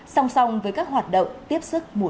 song song với các hoạt động tiếp sức mùa